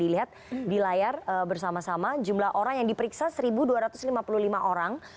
dilihat di layar bersama sama jumlah orang yang diperiksa satu dua ratus lima puluh lima orang